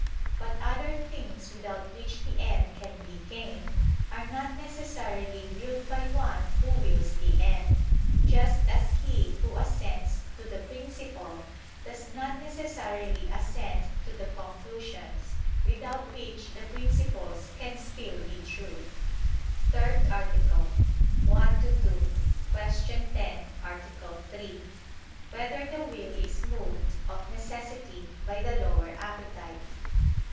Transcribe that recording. But other things without which the end can be gained, are not necessarily willed by one who wills the end: just as he who assents to the principle, does not necessarily assent to the conclusions, without which the principles can still be true. ________________________ THIRD ARTICLE [I II, Q. 10, Art. 3] Whether the Will Is Moved, of Necessity, by the Lower Appetite?